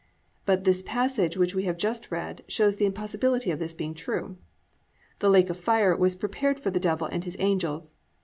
But this passage which we have just read shows the impossibility of this being true. "The lake of fire" was "prepared for the Devil and his angels."